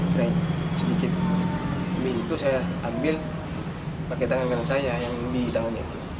terus sedikit milik itu saya ambil pakai tangan kendang saya yang di tangannya itu